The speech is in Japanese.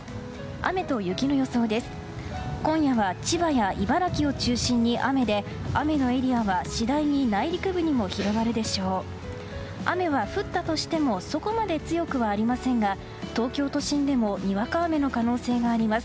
雨と雪の予想です。